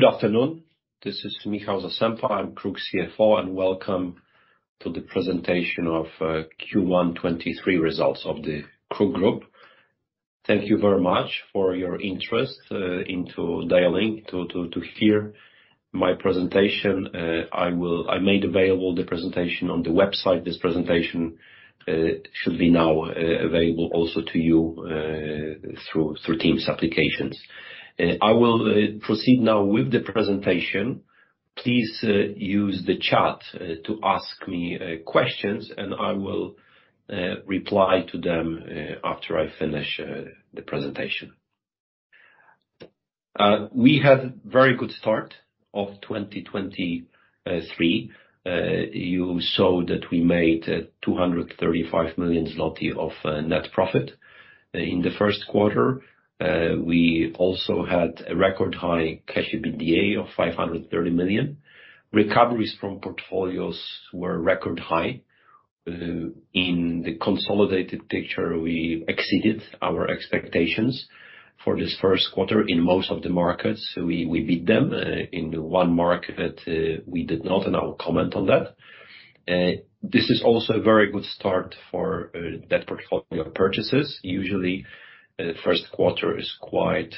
Good afternoon. This is Michał Zasępa, I'm KRUK CFO, and welcome to the presentation of Q1 2023 results of the KRUK Group. Thank you very much for your interest into dialing to hear my presentation. I made available the presentation on the website. This presentation should be now available also to you through Teams applications. I will proceed now with the presentation. Please use the chat to ask me questions, and I will reply to them after I finish the presentation. We had very good start of 2023. You saw that we made 235 million zloty of net profit. In the Q1, we also had a record high cash EBITDA of 530 million. Recoveries from portfolios were record high. In the consolidated picture, we exceeded our expectations for this Q1. In most of the markets, we beat them. In one market, we did not, and I will comment on that. This is also a very good start for debt portfolio purchases. Usually, Q1 is quite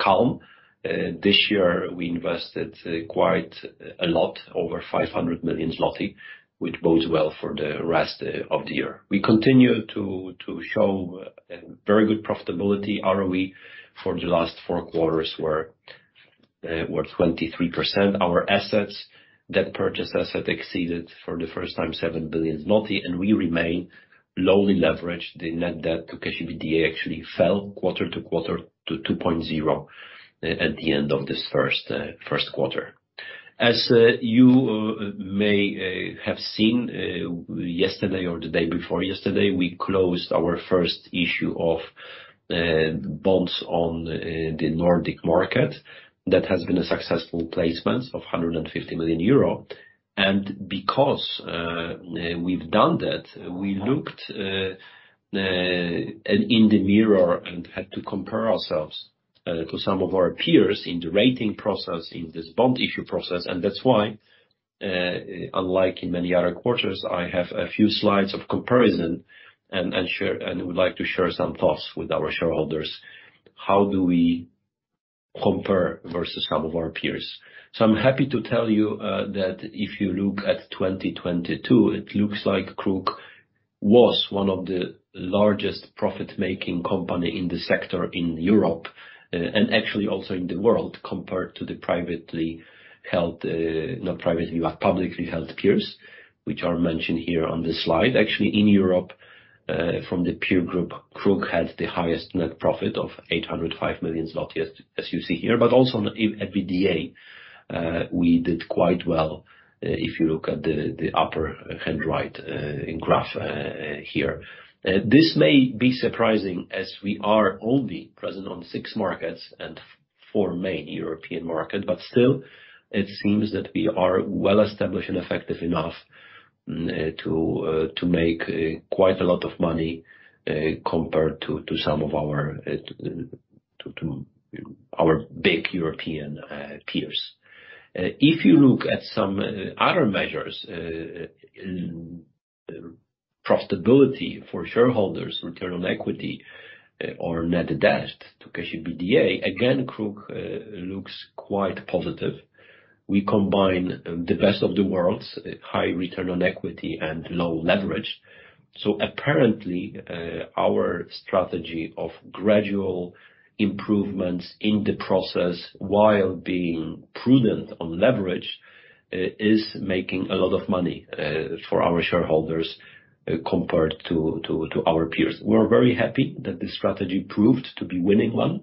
calm. This year we invested quite a lot, over 500 million zloty, which bodes well for the rest of the year. We continue to show very good profitability. ROE for the last four quarters were 23%. Our assets, debt purchase asset exceeded for the first time 7 billion, and we remain lowly leveraged. The net debt to EBITDA actually fell quarter to quarter to 2.0 at the end of this Q1. As you may have seen yesterday or the day before yesterday, we closed our first issue of bonds on the Nordic market. That has been a successful placement of 150 million euro. Because we've done that, we looked in the mirror and had to compare ourselves to some of our peers in the rating process, in this bond issue process. That's why, unlike in many other quarters, I have a few slides of comparison and would like to share some thoughts with our shareholders. How do we compare versus some of our peers? I'm happy to tell you that if you look at 2022, it looks like KRUK was one of the largest profit-making company in the sector in Europe, and actually also in the world, compared to the privately held, not privately, but publicly held peers, which are mentioned here on this slide. Actually, in Europe, from the peer group, KRUK had the highest net profit of 805 million zloty, as you see here. Also in EBITDA, we did quite well, if you look at the upper hand right, in graph, here. This may be surprising as we are only present on six markets and four main European market, but still, it seems that we are well-established and effective enough to make quite a lot of money compared to some of our to our big European peers. If you look at some other measures, profitability for shareholders, return on equity or net debt to EBITDA, again, KRUK looks quite positive. We combine the best of the worlds: high return on equity and low leverage. Apparently, our strategy of gradual improvements in the process while being prudent on leverage is making a lot of money for our shareholders compared to our peers. We're very happy that this strategy proved to be winning one,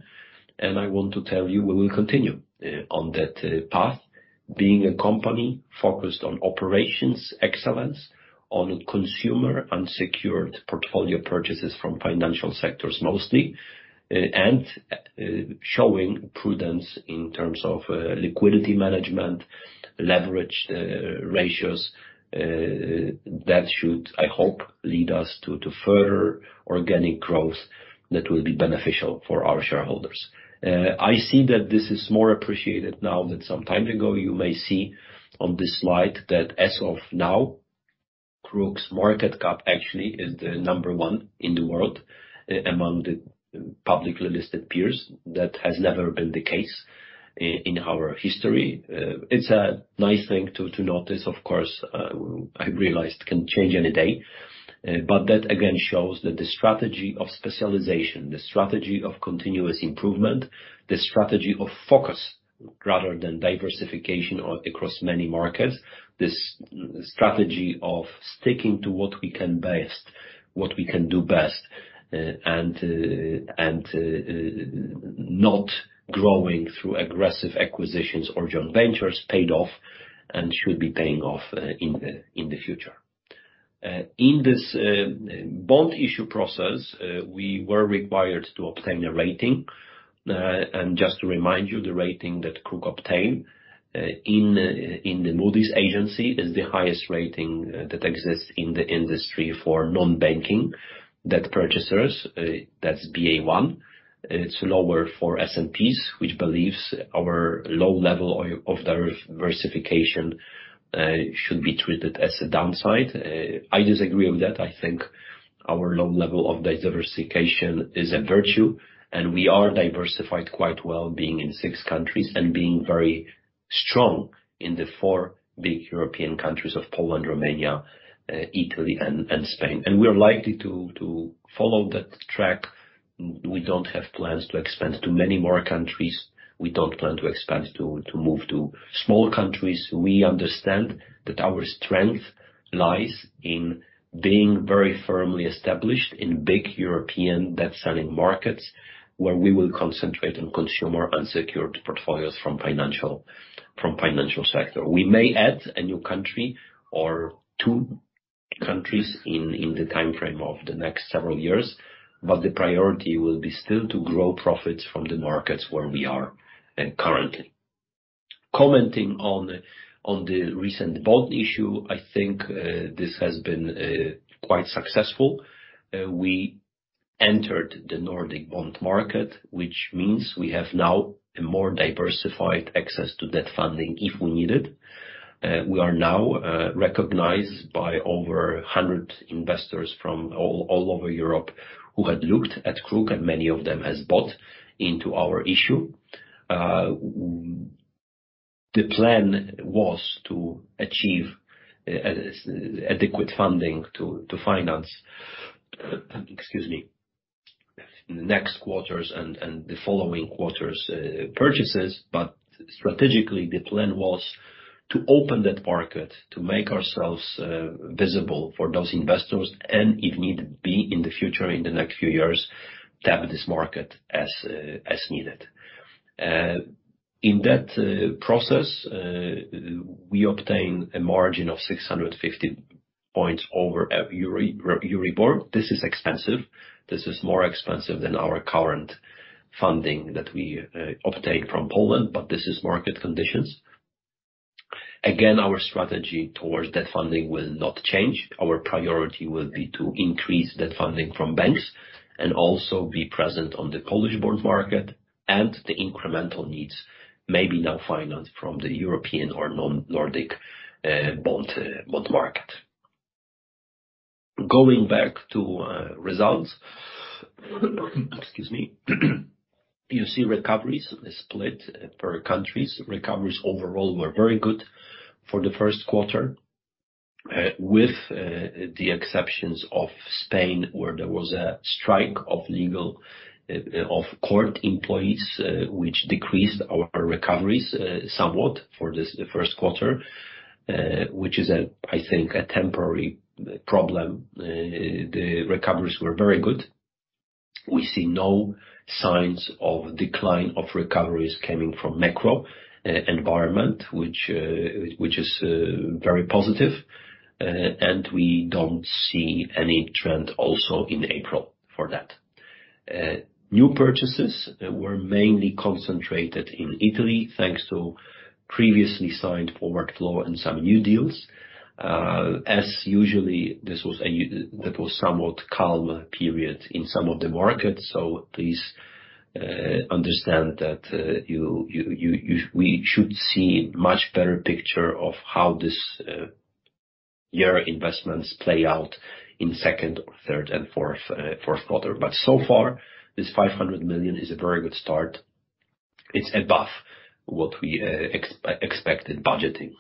and I want to tell you, we will continue on that path. Being a company focused on operations excellence, on consumer unsecured portfolio purchases from financial sectors mostly, and showing prudence in terms of liquidity management, leverage ratios, that should, I hope, lead us to further organic growth that will be beneficial for our shareholders. I see that this is more appreciated now than some time ago. You may see on this slide that as of now, KRUK's market cap actually is the number one in the world, among the publicly listed peers. That has never been the case in our history. It's a nice thing to notice. Of course, I realized it can change any day, but that again shows that the strategy of specialization, the strategy of continuous improvement, the strategy of focus rather than diversification across many markets, this strategy of sticking to what we can best, what we can do best, and not growing through aggressive acquisitions or joint ventures paid off and should be paying off in the future. In this bond issue process, we were required to obtain a rating, and just to remind you, the rating that KRUK obtained in the Moody's is the highest rating that exists in the industry for non-banking debt purchasers. That's Ba1. It's lower for S&P, which believes our low level of diversification should be treated as a downside. I disagree with that. I think our low level of diversification is a virtue, we are diversified quite well, being in six countries and being very strong in the four big European countries of Poland, Romania, Italy and Spain. We are likely to follow that track. We don't have plans to expand to many more countries. We don't plan to expand to move to small countries. We understand that our strength lies in being very firmly established in big European debt-selling markets, where we will concentrate on consumer unsecured portfolios from financial sector. We may add a new country or two countries in the timeframe of the next several years, the priority will be still to grow profits from the markets where we are currently. Commenting on the recent bond issue, I think this has been quite successful. We entered the Nordic bond market, which means we have now a more diversified access to debt funding if we need it. We are now recognized by over 100 investors from all over Europe who had looked at KRUK, and many of them has bought into our issue. The plan was to achieve adequate funding to finance, excuse me, the next quarters and the following quarters purchases. Strategically, the plan was to open that market, to make ourselves visible for those investors, and if need be, in the future, in the next few years, tap this market as needed. In that process, we obtain a margin of 650 points over Euribor. This is expensive. This is more expensive than our current funding that we obtain from Poland. This is market conditions. Again, our strategy towards debt funding will not change. Our priority will be to increase debt funding from banks and also be present on the Polish bond market. The incremental needs may be now financed from the European or non-Nordic bond market. Going back to results. Excuse me. You see recoveries split per countries. Recoveries overall were very good for the Q1, with the exceptions of Spain, where there was a strike of legal of court employees, which decreased our recoveries somewhat for this, the Q1, which is, I think, a temporary problem. The recoveries were very good. We see no signs of decline of recoveries coming from macro environment, which is very positive. We don't see any trend also in April for that. New purchases were mainly concentrated in Italy, thanks to previously signed forward flow and some new deals. As usually, that was somewhat calm period in some of the markets. Please understand that we should see much better picture of how this year investments play out in second, third, and Q4. So far, this 500 million is a very good start. It's above what we expected budgeting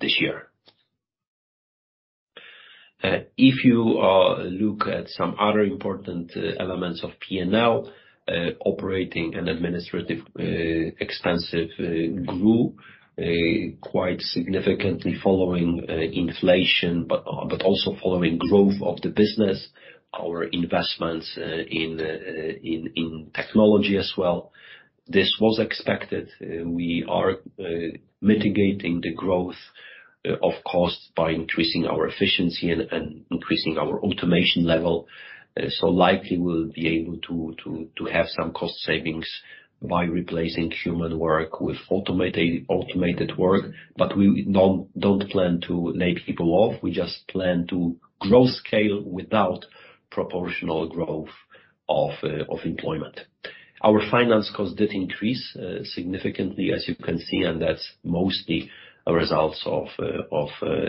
this year. If you look at some other important elements of P&L, operating and administrative expenses grew quite significantly following inflation, but also following growth of the business, our investments in technology as well. This was expected. We are mitigating the growth of costs by increasing our efficiency and increasing our automation level. Likely we'll be able to have some cost savings by replacing human work with automated work. We don't plan to lay people off. We just plan to grow scale without proportional growth of employment. Our finance costs did increase significantly, as you can see, and that's mostly a result of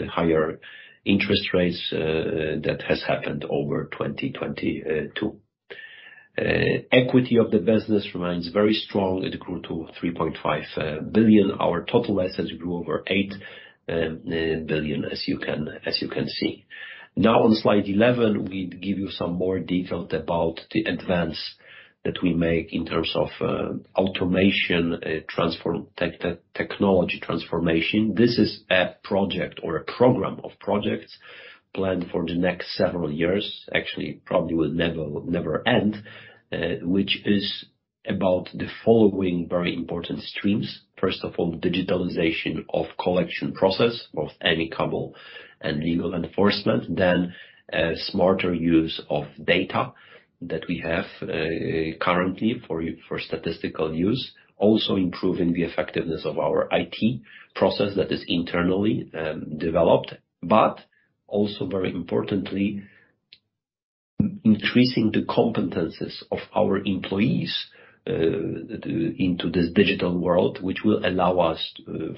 higher interest rates that has happened over 2022. Equity of the business remains very strong. It grew to 3.5 billion. Our total assets grew over 8 billion, as you can see. On slide 11, we give you some more detail about the advance that we make in terms of automation, technology transformation. This is a project or a program of projects planned for the next several years, actually probably will never end, which is about the following very important streams. First of all, digitalization of collection process, both amicable and legal enforcement. A smarter use of data that we have currently for statistical use. Improving the effectiveness of our IT process that is internally developed. Also very importantly, increasing the competencies of our employees into this digital world, which will allow us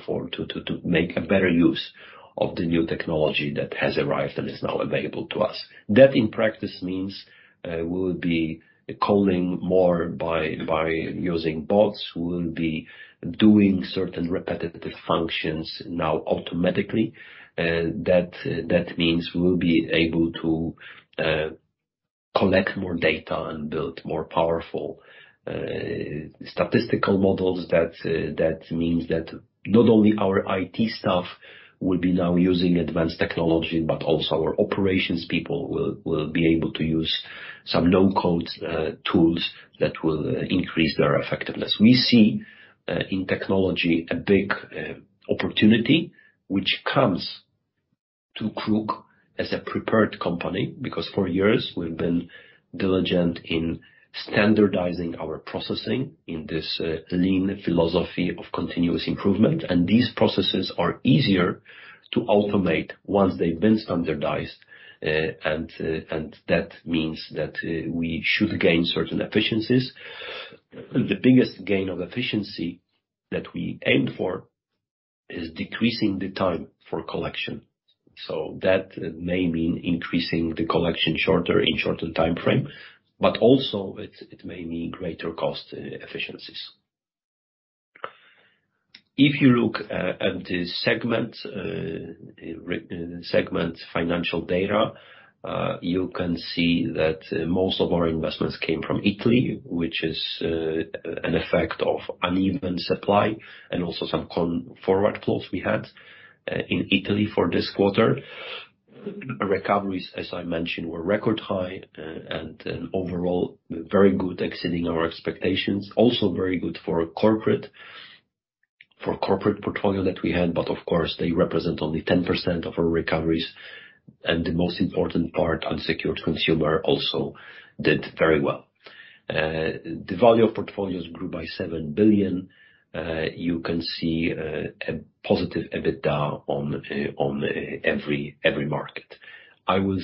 for, to make a better use of the new technology that has arrived and is now available to us. That in practice means, we will be calling more by using bots. We will be doing certain repetitive functions now automatically. That means we will be able to collect more data and build more powerful statistical models. That means that not only our IT staff will be now using advanced technology, but also our operations people will be able to use some no-code tools that will increase their effectiveness. We see in technology a big opportunity which comes to KRUK as a prepared company, because for years we've been diligent in standardizing our processing in this lean philosophy of continuous improvement, and these processes are easier to automate once they've been standardized. That means that we should gain certain efficiencies. The biggest gain of efficiency that we aim for is decreasing the time for collection. That may mean increasing the collection, in shorter timeframe, but also it may mean greater cost efficiencies. If you look at the segment financial data, you can see that most of our investments came from Italy, which is an effect of uneven supply and also some forward flows we had in Italy for this quarter. Recoveries, as I mentioned, were record high, and overall very good, exceeding our expectations. Also very good for corporate portfolio that we had, but of course, they represent only 10% of our recoveries, and the most important part, unsecured consumer, also did very well. The value of portfolios grew by 7 billion. You can see a positive EBITDA on every market. I will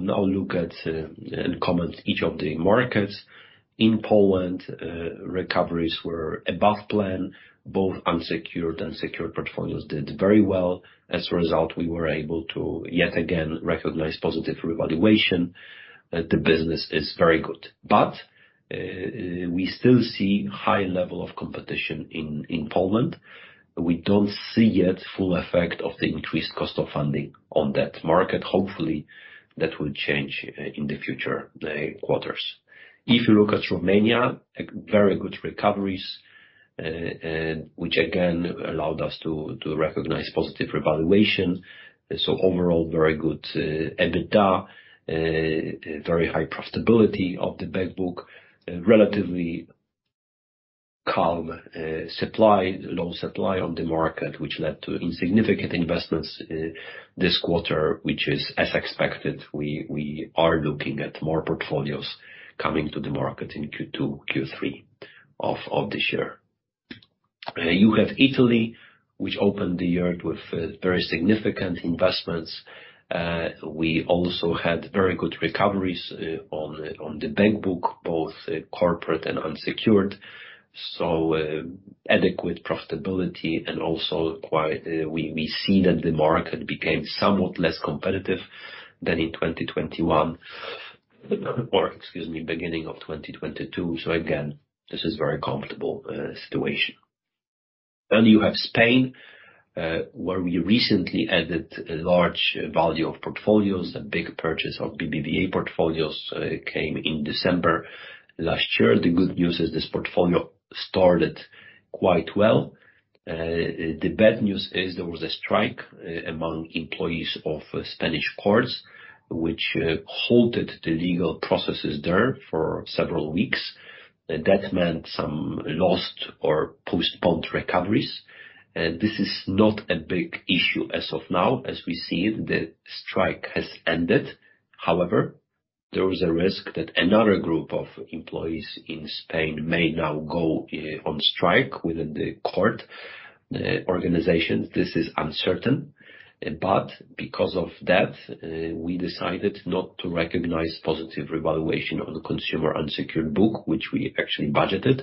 now look at and comment each of the markets. In Poland, recoveries were above plan. Both unsecured and secured portfolios did very well. As a result, we were able to yet again recognize positive revaluation. The business is very good. We still see high level of competition in Poland. We don't see yet full effect of the increased cost of funding on that market. Hopefully, that will change in the future, quarters. If you look at Romania, very good recoveries, and which again allowed us to recognize positive revaluation. Overall, very good EBITDA, very high profitability of the bank book. Relatively calm, supply, low supply on the market, which led to insignificant investments, this quarter, which is as expected. We are looking at more portfolios coming to the market in Q2, Q3 of this year. You have Italy, which opened the year with very significant investments. We also had very good recoveries, on the bank book, both corporate and unsecured. Adequate profitability and also quite we see that the market became somewhat less competitive than in 2021. Or, excuse me, beginning of 2022. Again, this is very comfortable, situation. You have Spain, where we recently added a large value of portfolios. A big purchase of BBVA portfolios came in December last year. The good news is this portfolio started quite well. The bad news is there was a strike among employees of Spanish courts, which halted the legal processes there for several weeks. Meant some lost or postponed recoveries. This is not a big issue as of now, as we see it. The strike has ended. There is a risk that another group of employees in Spain may now go on strike within the court organizations. This is uncertain, because of that, we decided not to recognize positive revaluation of the consumer unsecured book, which we actually budgeted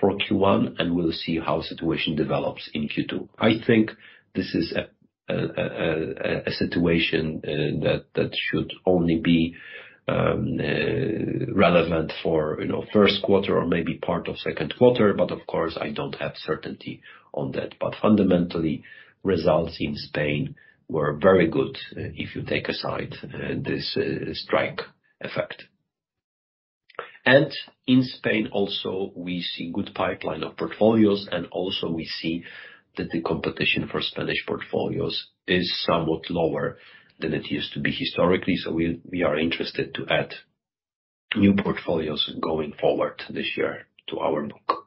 for Q1, and we'll see how situation develops in Q2. I think this is a situation that should only be relevant for Q1 or maybe part of Q2. Of course, I don't have certainty on that. Fundamentally, results in Spain were very good, if you take aside this strike effect. In Spain also, we see good pipeline of portfolios, and also we see that the competition for Spanish portfolios is somewhat lower than it used to be historically. We are interested to add new portfolios going forward this year to our book.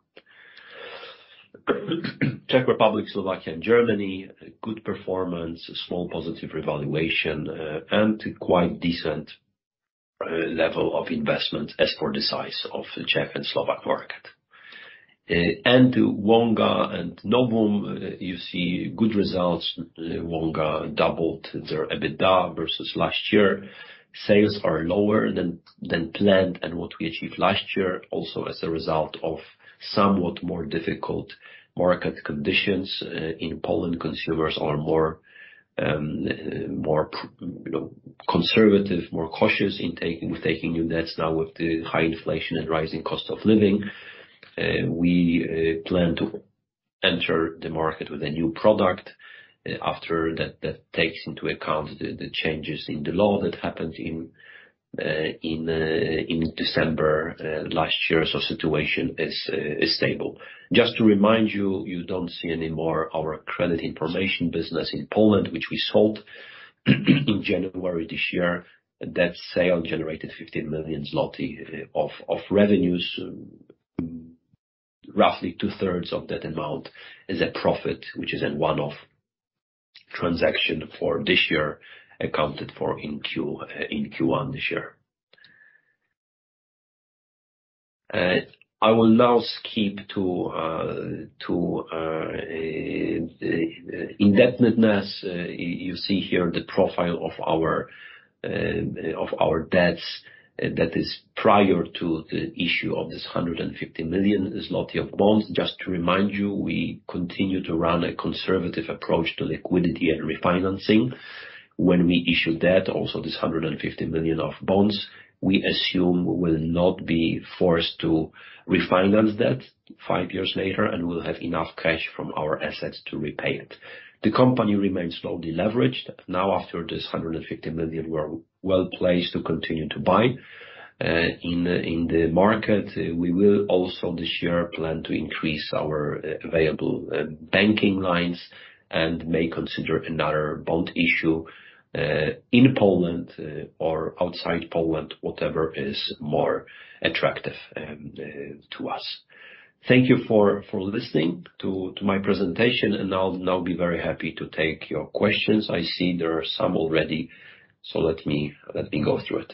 Czech Republic, Slovakia, and Germany, good performance, small positive revaluation, and quite decent level of investment as per the size of the Czech and Slovak market. Wonga and Novum, you see good results. Wonga doubled their EBITDA versus last year. Sales are lower than planned and what we achieved last year, also as a result of somewhat more difficult market conditions in Poland. Consumers are more, you know, conservative, more cautious in taking, with taking new debts now with the high inflation and rising cost of living. We plan to enter the market with a new product after that takes into account the changes in the law that happened in December last year. Situation is stable. Just to remind you don't see any more our credit information business in Poland, which we sold in January this year. That sale generated 15 million zloty of revenues. Roughly two-thirds of that amount is a profit, which is in one of transaction for this year, accounted for in Q1 this year. I will now skip to indebtedness. You see here the profile of our debts that is prior to the issue of this 150 million zloty of bonds. Just to remind you, we continue to run a conservative approach to liquidity and refinancing. When we issue debt, also this 150 million of bonds, we assume will not be forced to refinance that five years later, and we'll have enough cash from our assets to repay it. The company remains slowly leveraged. After this 150 million, we're well-placed to continue to buy in the market. We will also, this year, plan to increase our available banking lines and may consider another bond issue in Poland or outside Poland, whatever is more attractive to us. Thank you for listening to my presentation. I'll now be very happy to take your questions. I see there are some already. Let me go through it.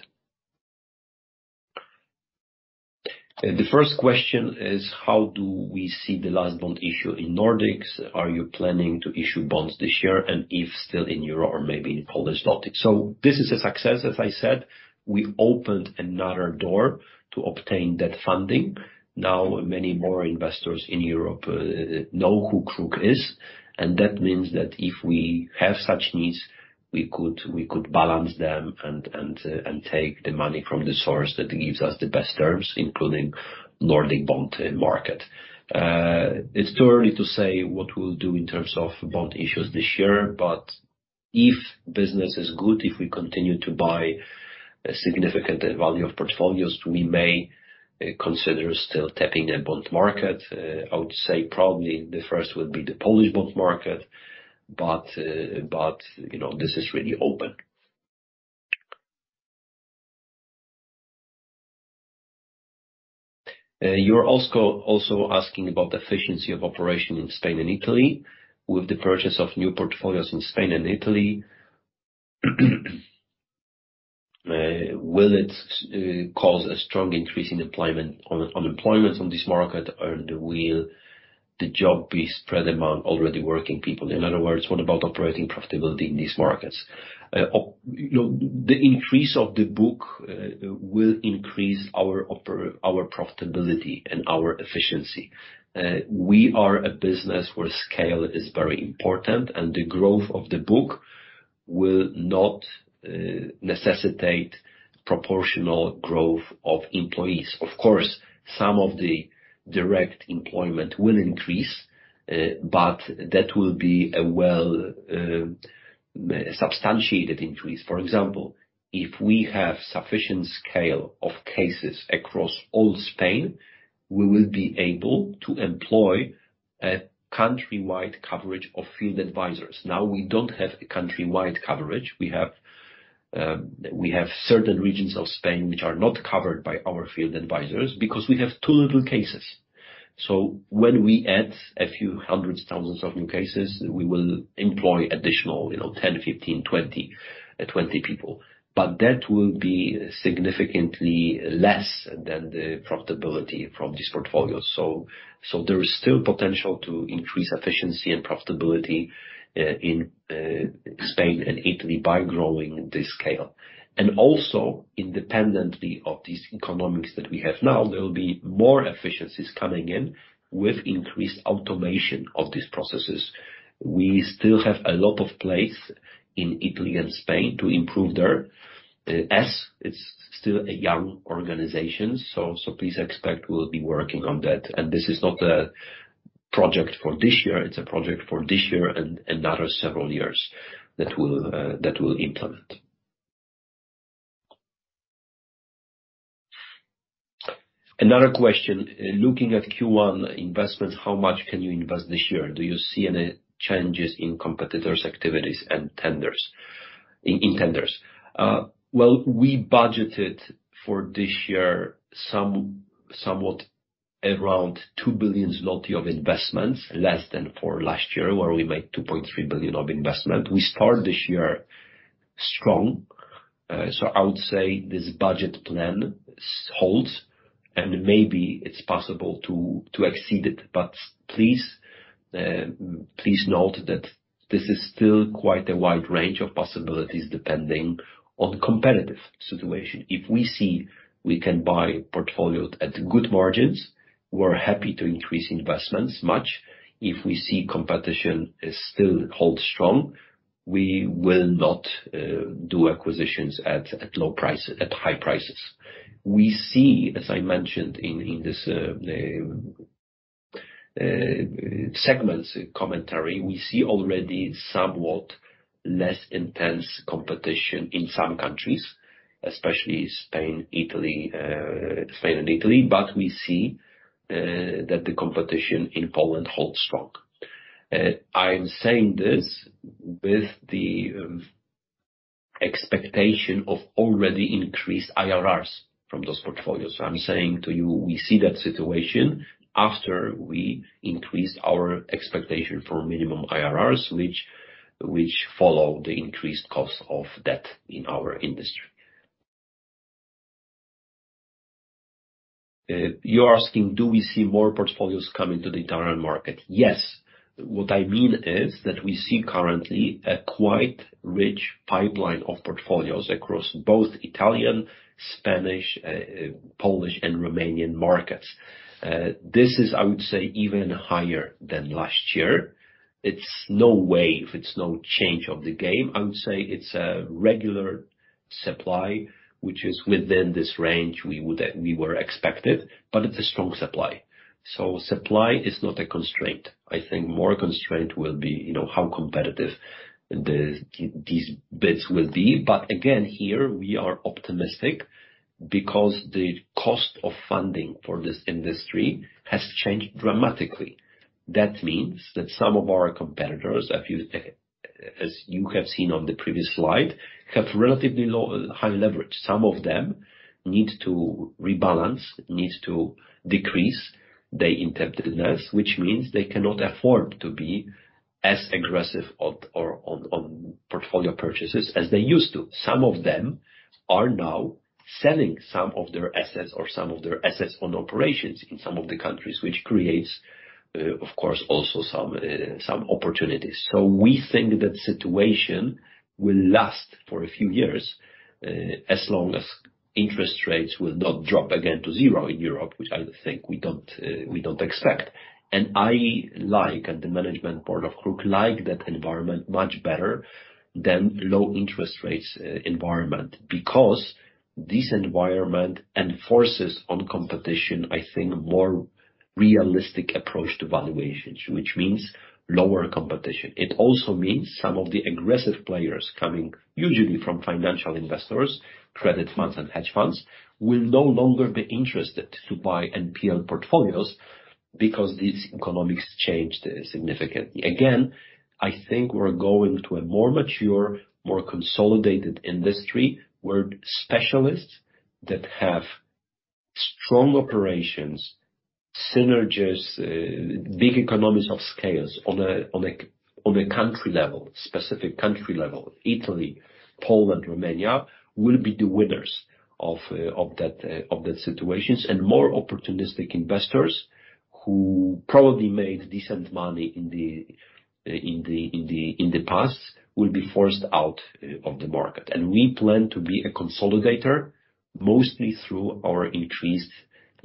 The first question is: "How do we see the last bond issue in Nordics? Are you planning to issue bonds this year? If still in EUR or maybe in PLN". So, this is a success, as I said. We opened another door to obtain that funding. Now, many more investors in Europe know who KRUK is. That means that if we have such needs, we could balance them and take the money from the source that gives us the best terms, including Nordic bond market. It's too early to say what we'll do in terms of bond issues this year, but if business is good, if we continue to buy a significant value of portfolios, we may consider still tapping a bond market. I would say probably the first will be the Polish bond market, but, you know, this is really open. You're also asking about the efficiency of operation in Spain and Italy. With the purchase of new portfolios in Spain and Italy, will it cause a strong increase in employments on this market, or will the job be spread among already working people? In other words, what about operating profitability in these markets? You know, the increase of the book will increase our profitability and our efficiency. We are a business where scale is very important. The growth of the book will not necessitate proportional growth of employees. Of course, some of the direct employment will increase, but that will be a well, substantiated increase. For example, if we have sufficient scale of cases across all Spain, we will be able to employ a country-wide coverage of field advisors. We don't have a country-wide coverage. We have certain regions of Spain which are not covered by our field advisors because we have too little cases. When we add a few hundred thousands of new cases, we will employ additional, you know, 10, 15, 20 people. That will be significantly less than the profitability from these portfolios. There is still potential to increase efficiency and profitability in Spain and Italy by growing this scale. Also, independently of these economics that we have now, there will be more efficiencies coming in with increased automation of these processes. We still have a lot of place in Italy and Spain to improve their S. It's still a young organization, so please expect we'll be working on that. This is not a project for this year, it's a project for this year and another several years that we'll implement. Another question: "Looking at Q1 investments, how much can you invest this year? Do you see any changes in competitors' activities in tenders?". Well, we budgeted for this year somewhat around 2 billion zloty of investments, less than for last year, where we made 2.3 billion of investment. We start this year strong. I would say this budget plan holds, and maybe it's possible to exceed it. Please, please note that this is still quite a wide range of possibilities depending on competitive situation. If we see we can buy portfolios at good margins, we're happy to increase investments much. If we see competition is still hold strong, we will not do acquisitions at high prices. We see, as I mentioned in this segments commentary, we see already somewhat less intense competition in some countries, especially Spain, Italy, Spain, and Italy, but we see that the competition in Poland holds strong. I'm saying this with the expectation of already increased IRRs from those portfolios. I'm saying to you, we see that situation after we increased our expectation for minimum IRRs, which follow the increased cost of debt in our industry. You're asking, do we see more portfolios coming to the Italian market? Yes. What I mean is that we see currently a quite rich pipeline of portfolios across both Italian, Spanish, Polish and Romanian markets. This is, I would say, even higher than last year. It's no wave, it's no change of the game. I would say it's a regular supply which is within this range we were expected, but it's a strong supply. Supply is not a constraint. I think more constraint will be, you know, how competitive these bids will be. Again, here we are optimistic because the cost of funding for this industry has changed dramatically. That means that some of our competitors, a few, as you have seen on the previous slide, have relatively low, high leverage. Some of them need to rebalance, need to decrease their indebtedness, which means they cannot afford to be as aggressive on portfolio purchases as they used to. Some of them are now selling some of their assets or some of their assets on operations in some of the countries, which creates, of course, also some opportunities. We think that situation will last for a few years, as long as interest rates will not drop again to zero in Europe, which I think we don't, we don't expect. I like, and the management board of KRUK like that environment much better than low interest rates environment, because this environment enforces on competition, I think more realistic approach to valuations, which means lower competition. It also means some of the aggressive players coming, usually from financial investors, credit funds and hedge funds, will no longer be interested to buy NPL portfolios because these economics changed significantly. Again, I think we're going to a more mature, more consolidated industry where specialists that have strong operations, synergies, big economies of scales on a country level, specific country level, Italy, Poland, Romania, will be the winners of that situations. More opportunistic investors who probably made decent money in the past will be forced out of the market. We plan to be a consolidator, mostly through our increased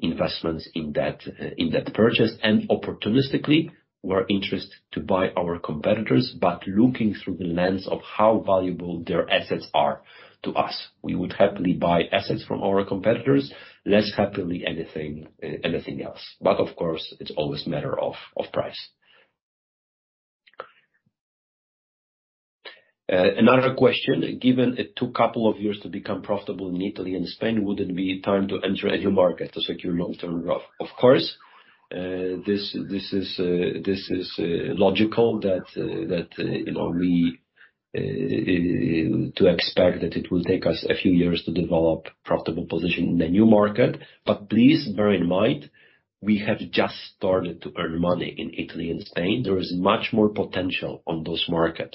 investments in that purchase. Opportunistically, we're interested to buy our competitors, but looking through the lens of how valuable their assets are to us. We would happily buy assets from our competitors, less happily anything else. Of course, it's always matter of price. Another question. "Given it took couple of years to become profitable in Italy and Spain, would it be time to enter a new market to secure long-term growth?". Of course, this is logical that, you know, we to expect that it will take us a few years to develop profitable position in the new market. Please bear in mind, we have just started to earn money in Italy and Spain. There is much more potential on those market,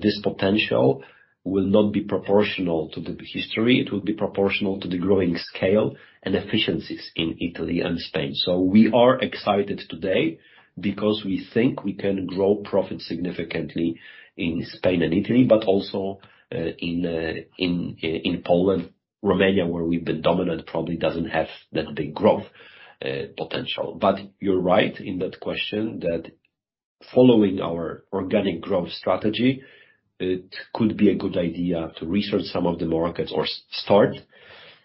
this potential will not be proportional to the history. It will be proportional to the growing scale and efficiencies in Italy and Spain. We are excited today because we think we can grow profit significantly in Spain and Italy, but also, in Poland. Romania, where we've been dominant, probably doesn't have that big growth potential. You're right in that question that following our organic growth strategy, it could be a good idea to research some of the markets or start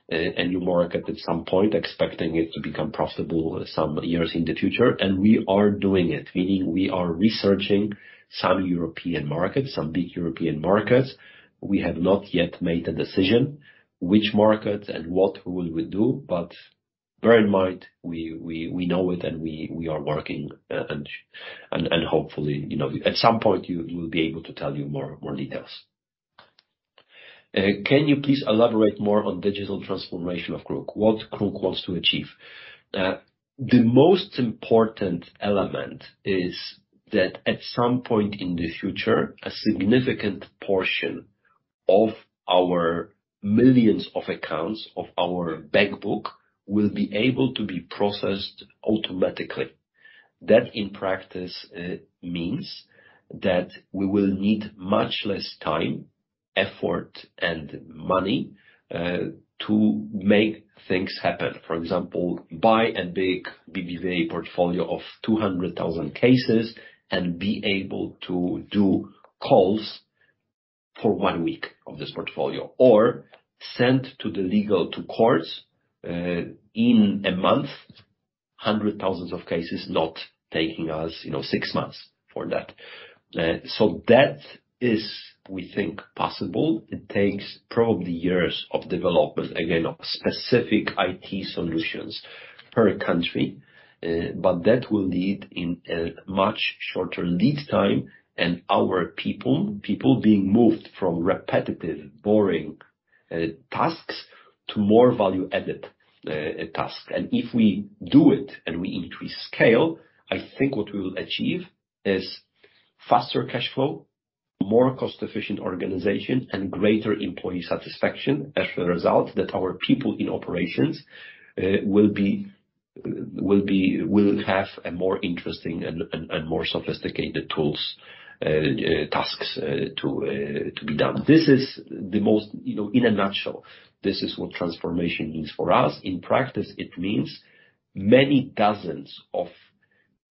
a new market at some point, expecting it to become profitable some years in the future. We are doing it, meaning we are researching some European markets, some big European markets. We have not yet made a decision which markets and what will we do, but bear in mind, we know it, and we are working. Hopefully, you know, at some point, we'll be able to tell you more, more details. Can you please elaborate more on digital transformation of KRUK? What KRUK wants to achieve? The most important element is that at some point in the future, a significant portion of our millions of accounts, of our bank book will be able to be processed automatically. That in practice, means that we will need much less time, effort, and money to make things happen. For example, buy a big BBVA portfolio of 200,000 cases and be able to do calls for one week of this portfolio, or send to the legal to courts, in a month, hundred thousands of cases, not taking us, you know, six months for that. That is, we think, possible. It takes probably years of development, again, of specific IT solutions per country, that will lead in a much shorter lead time, and our people being moved from repetitive, boring tasks to more value-added task. If we do it and we increase scale, I think what we will achieve is faster cash flow, more cost-efficient organization, and greater employee satisfaction as a result that our people in operations will have a more interesting and more sophisticated tools, tasks to be done. You know, in a nutshell, this is what transformation means for us. In practice, it means many dozens of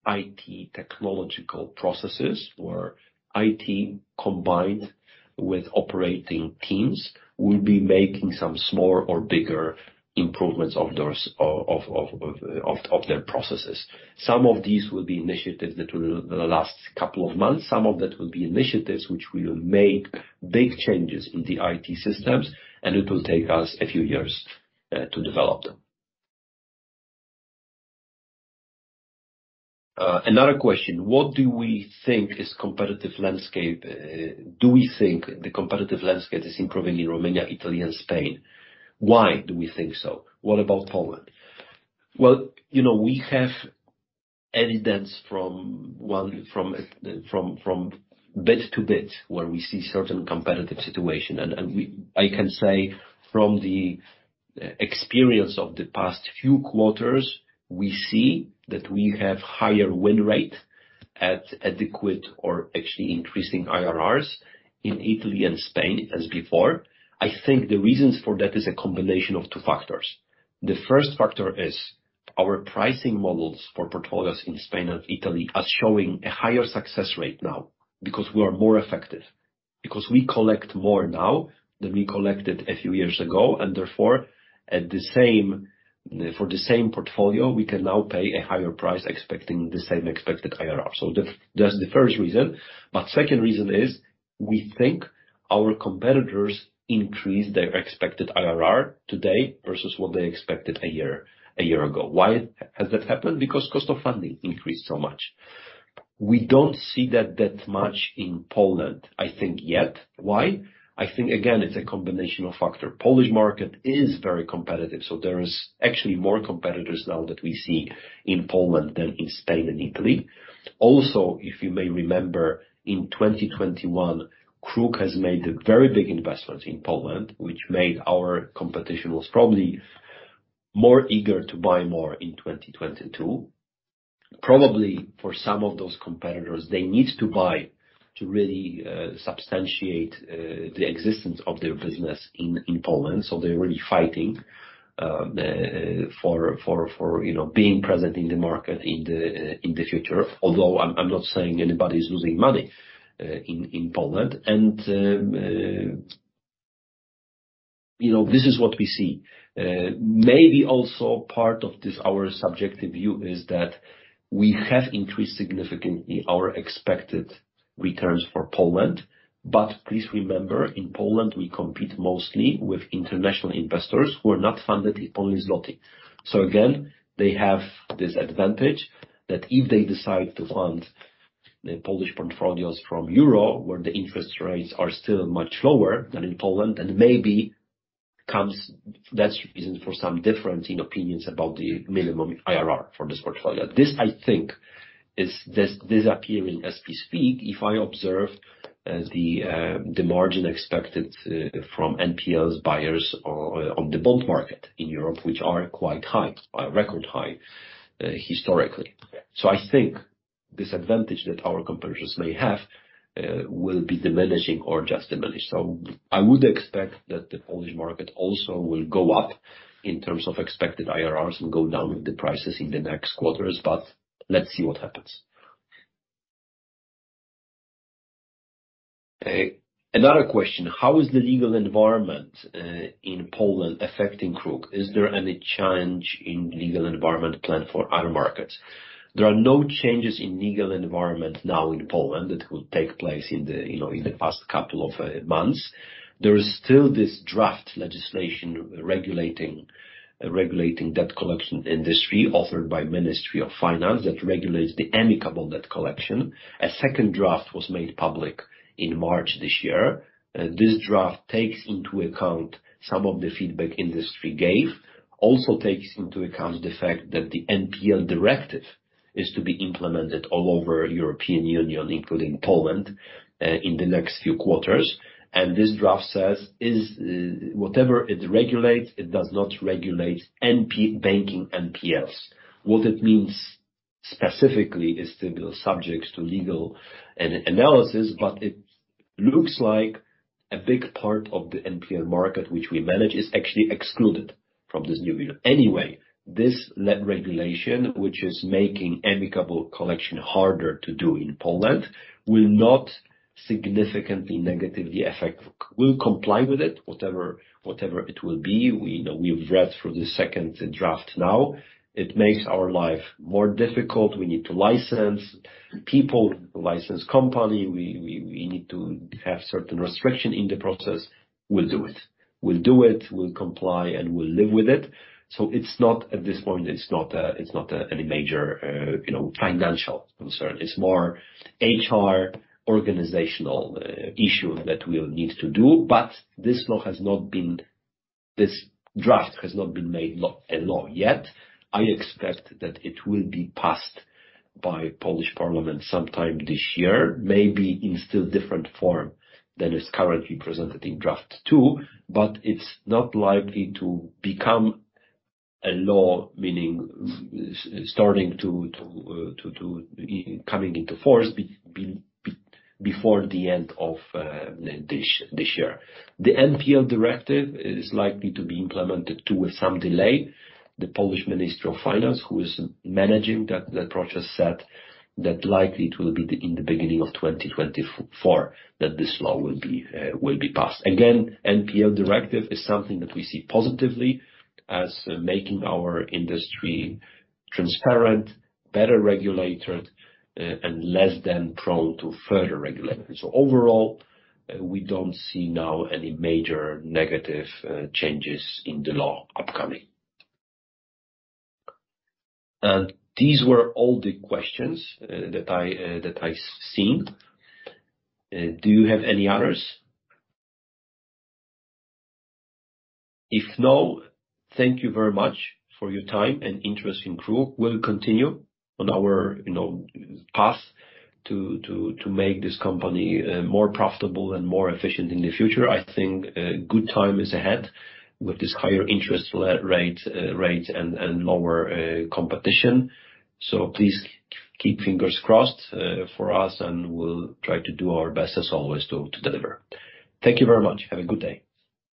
IT technological processes, or IT combined with operating teams, will be making some small or bigger improvements of those, of their processes. Some of these will be initiatives that will last couple of months. Some of that will be initiatives which will make big changes in the IT systems, and it will take us a few years to develop them. Another question: "What do we think is competitive landscape? Do we think the competitive landscape is improving in Romania, Italy, and Spain? Why do we think so? What about Poland?". Well, you know, we have evidence from, well, from bit to bit, where we see certain competitive situation. I can say from the experience of the past few quarters, we see that we have higher win rate at adequate or actually increasing IRRs in Italy and Spain as before. I think the reasons for that is a combination of two factors. The first factor is our pricing models for portfolios in Spain and Italy are showing a higher success rate now, because we are more effective, because we collect more now than we collected a few years ago, and therefore, at the same, for the same portfolio, we can now pay a higher price expecting the same expected IRR. That's the first reason. Second reason is, we think our competitors increased their expected IRR today versus what they expected a year ago. Why has that happened? Cost of funding increased so much. We don't see that much in Poland, I think, yet. Why? I think, again, it's a combination of factor. Polish market is very competitive, there is actually more competitors now that we see in Poland than in Spain and Italy. Also, if you may remember, in 2021, KRUK has made very big investments in Poland, which made our competition was probably more eager to buy more in 2022. Probably for some of those competitors, they need to buy to really substantiate the existence of their business in Poland, so they're really fighting for, you know, being present in the market in the future. Although I'm not saying anybody's losing money in Poland. You know, this is what we see. Maybe also part of this, our subjective view is that we have increased significantly our expected returns for Poland. Please remember, in Poland, we compete mostly with international investors who are not funded in Polish zloty. Again, they have this advantage that if they decide to fund the Polish portfolios from EUR, where the interest rates are still much lower than in Poland, That is reason for some difference in opinions about the minimum IRR for this portfolio. This, I think, is disappearing as we speak, if I observe the margin expected from NPLs buyers on the bond market in Europe, which are quite high, record high, historically. I think this advantage that our competitors may have, will be diminishing or just diminished. I would expect that the Polish market also will go up in terms of expected IRRs and go down with the prices in the next quarters, but let's see what happens. Another question: "How is the legal environment in Poland affecting KRUK? Is there any change in legal environment plan for other markets?". There are no changes in legal environment now in Poland that will take place in the, you know, in the past couple of months. There is still this draft legislation regulating debt collection industry offered by Ministry of Finance that regulates the amicable debt collection. A second draft was made public in March this year. This draft takes into account some of the feedback industry gave. Also takes into account the fact that the NPL Directive is to be implemented all over European Union, including Poland, in the next few quarters. This draft says whatever it regulates, it does not regulate banking NPLs. What it means specifically is still subjects to legal analysis, but it looks like a big part of the NPL market which we manage is actually excluded from this new bill. This lead regulation, which is making amicable collection harder to do in Poland, will not significantly negatively affect. We'll comply with it, whatever it will be. We know, we've read through the second draft now. It makes our life more difficult, we need to license people, license company, we need to have certain restriction in the process. We'll do it. We'll do it, we'll comply, and we'll live with it. It's not, at this point, it's not any major, you know, financial concern. It's more HR organizational issue that we'll need to do. This law has not been- This draft has not been made law, a law yet. I expect that it will be passed by Polish parliament sometime this year, maybe in still different form than is currently presented in draft two, but it's not likely to become a law, meaning starting to come into force before the end of this year. The NPL Directive is likely to be implemented, too, with some delay. The Polish Ministry of Finance, who is managing that process, said that likely it will be in the beginning of 2024 that this law will be passed. Again, NPL Directive is something that we see positively as making our industry transparent, better regulated, and less than prone to further regulation. Overall, we don't see now any major negative changes in the law upcoming. These were all the questions that I seen. Do you have any others? If no, thank you very much for your time and interest in KRUK. We'll continue on our, you know, path to make this company more profitable and more efficient in the future. I think a good time is ahead with this higher interest rate and lower competition. Please keep fingers crossed for us, and we'll try to do our best as always to deliver. Thank you very much. Have a good day.